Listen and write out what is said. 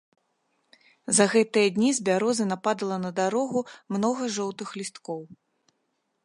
За гэтыя дні з бярозы нападала на дарогу многа жоўтых лісткоў.